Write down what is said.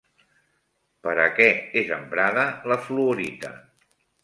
Per a què és emprada la fluorita?